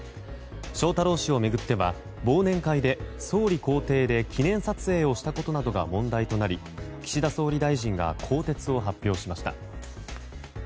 翔太郎氏を巡っては、忘年会で総理公邸で記念撮影をしたことなどが問題となり岸田総理大臣が更迭を発表しました。